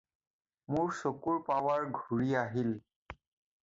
মোৰ চকুৰ পাৱাৰ ঘূৰি আহিল।